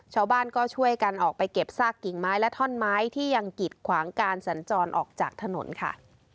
ชาวบ้านก็ช่วยกันออกไปเก็บซากกิ่งไม้และท่อนไม้ที่ยังกิดขวางการสัญจรออกจากถนนค่ะ